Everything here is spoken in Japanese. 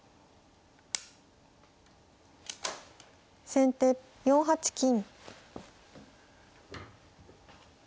先手４八金。